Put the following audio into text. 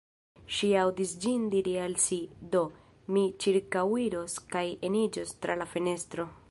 Ŝi aŭdis ĝin diri al si: “Do, mi ĉirkaŭiros kaj eniĝos tra la fenestro.”